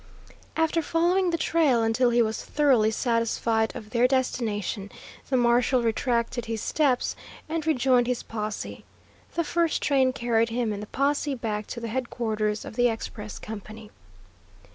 After following the trail until he was thoroughly satisfied of their destination, the marshal retraced his steps and rejoined his posse. The first train carried him and the posse back to the headquarters of the express company.